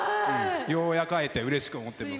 ようやく会えてうれしく思ってます。